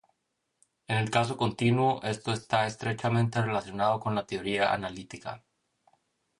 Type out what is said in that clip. En el caso continuo, esto está estrechamente relacionado con la teoría analítica.